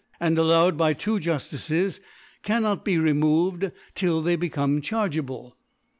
and allowed by two Juftices, cannot be removed till they become chargeable.